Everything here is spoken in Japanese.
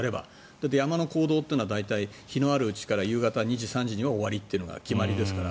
だって山の行動っていうのは日のあるうちから夕方２時３時には終わりというのが決まりですから。